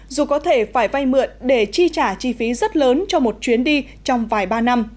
dù có thể phải vay mượn để chi trả chi phí rất lớn cho một chuyến đi trong vài ba năm